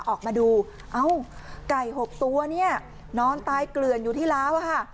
ออกมาดูเอ้าไก่๖ตัวเนี่ยนอนตายเกลื่อนอยู่ที่ล้าวอะค่ะ